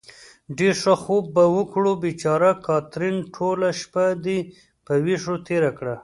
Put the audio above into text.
ښه ډېر خوب به وکړو. بېچاره کاترین، ټوله شپه دې په وېښو تېره کړه.